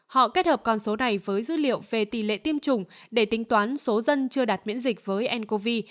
họ kết hợp con số này với dữ liệu về tỷ lệ tiêm chủng để tính toán số dân chưa đạt miễn dịch với ncov